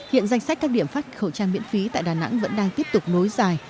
hiện danh sách các điểm phát khẩu trang miễn phí tại đà nẵng vẫn đang tiếp tục nối dài